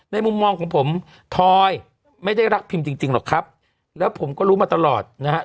มุมมองของผมทอยไม่ได้รักพิมจริงจริงหรอกครับแล้วผมก็รู้มาตลอดนะฮะ